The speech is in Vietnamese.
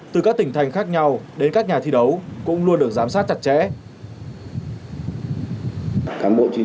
từ các tỉnh thành khác nhau đến các nhà thi đấu cũng luôn được giám sát chặt chẽ cán bộ chiến